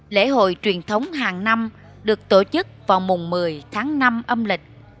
lễ hội truyền thống hàng năm được tổ chức vào mùng một mươi tháng năm âm lịch